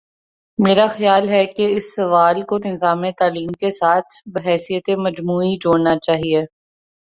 میرا خیال ہے کہ اس سوال کو نظام تعلیم کے ساتھ بحیثیت مجموعی جوڑنا چاہیے۔